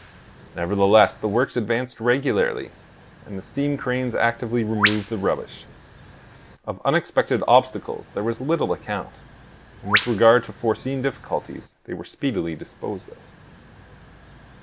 Nevertheless, the works advanced regularly, as the steam cranes actively removed the rubbish. Of unexpected obstacles there was little account; and with regard to foreseen difficulties, they were speedily disposed of.